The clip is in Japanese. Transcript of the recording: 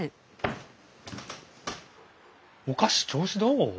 お菓子調子どう？